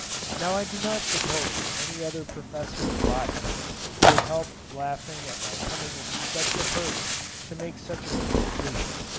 Now I do not suppose any other professor of botany could have helped laughing at my coming in such a hurry to make such a communication.